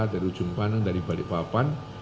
dari ujung panang dari balikpapan